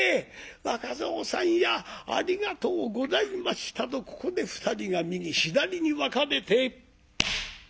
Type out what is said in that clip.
「若蔵さんやありがとうございました」とここで２人が右左に分かれて。